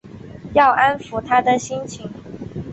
要安抚她的心情